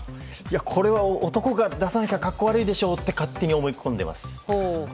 これは男が出さなきゃ格好悪いでしょと勝手に思い込んでいます。